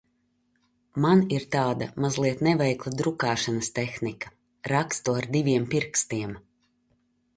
Man ir tāda mazliet neveikla drukāšanas tehnika – rakstu ar diviem pirkstiem.